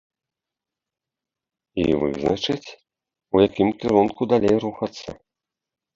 І вызначыць, у якім кірунку далей рухацца.